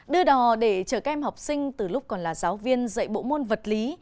đưa đò để chở các em học sinh từ lúc còn là giáo viên dạy bộ môn vật lý